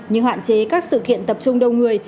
như hạn chế các sự kiện tập trung đông người